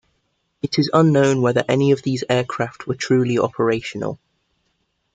It is unknown whether any of these aircraft were truly operational.